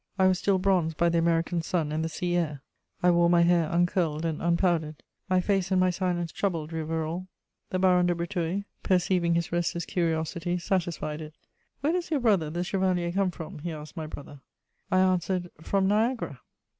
I was still bronzed by the American sun and the sea air; I wore my hair uncurled and unpowdered. My face and my silence troubled Rivarol; the Baron de Breteuil, perceiving his restless curiosity, satisfied it: "Where does your brother the chevalier come from?" he asked my brother. I answered: "From Niagara."